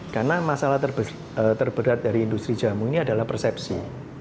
karena masalah terberat dari industri jamu ini adalah persepsi